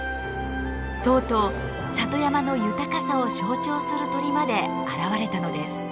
とうとう里山の豊かさを象徴する鳥まで現れたのです。